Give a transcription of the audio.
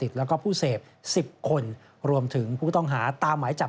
จากรายงานครับ